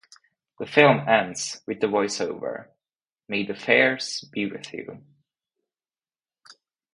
The film ends with the voiceover, "May the Farce be with you".